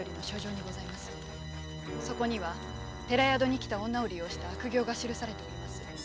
そこには寺宿に来た女を利用した悪行が記されております。